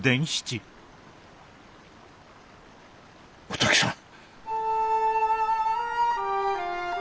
お滝さん。